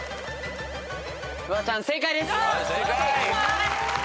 フワちゃん正解です。